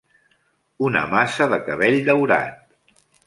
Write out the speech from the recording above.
Una massa de cabell daurat.